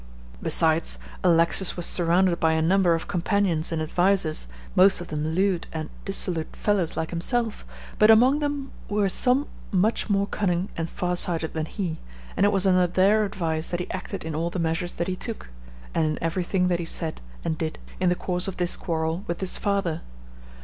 Besides, Alexis was surrounded by a number of companions and advisers, most of them lewd and dissolute fellows like himself, but among them were some much more cunning and far sighted than he, and it was under their advice that he acted in all the measures that he took, and in every thing that he said and did in the course of this quarrel with his father.